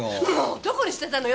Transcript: どこに捨てたのよ